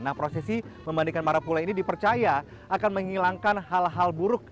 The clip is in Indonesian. nah prosesi memandikan marapula ini dipercaya akan menghilangkan hal hal buruk